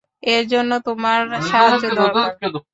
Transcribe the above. এর জন্য তোমার সাহায্য দরকার।